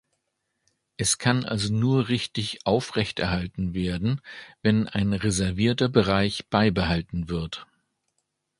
Er kann also nur richtig aufrechterhalten werden, wenn ein reservierter Bereich beibehalten wird.